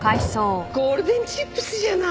ゴールデンチップスじゃない！